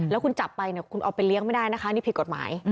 แล้วคุณจับไปเนี่ยคุณเอาไปเลี้ยงไม่ได้นะคะนี่ผิดกฎหมาย